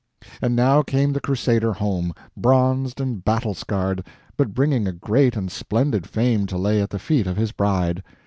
And now came the Crusader home, bronzed and battle scarred, but bringing a great and splendid fame to lay at the feet of his bride.